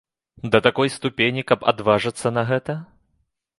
Да такой ступені, каб адважыцца на гэта?